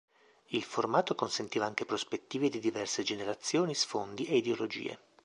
Il formato consentiva anche prospettive di diverse generazioni, sfondi e ideologie.